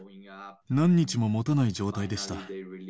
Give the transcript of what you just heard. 何日ももたない状態でした。